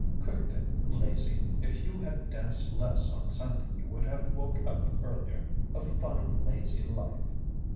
"Quick then, lazy. If you had danced less on Sunday you would have woke us earlier. A fine lazy life!"